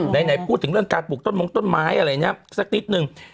ไหนพูดถึงเรื่องการปลูกต้นมงต้นไม้อะไรเนี่ยสักนิดนึง